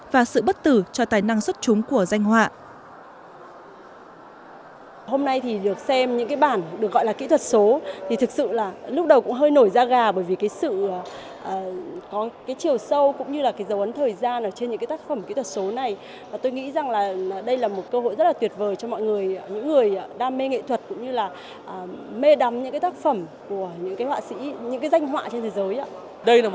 và sự bất tử cho tài năng xuất trúng của danh họa